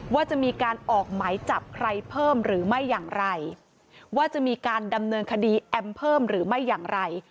ว่าจะมีการออกหมายจับใครเพิ่มหรือไม่อย่างไรว่าจะมีการดำเนินคดีแอมเพิ่มหรือไม่อย่างไร